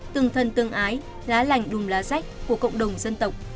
tương thân tương ái lá lành đùm lá sách của cộng đồng dân tộc